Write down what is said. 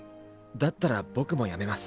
だったら僕もやめます。